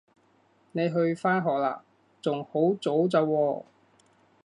你去返學喇？仲好早咋喎